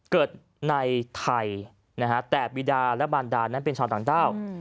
เกิดในไทยนะฮะแต่บีดาและมารดานั้นเป็นชาวต่างด้าว